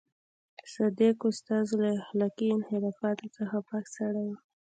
صدک استاد له اخلاقي انحرافاتو څخه پاک سړی و.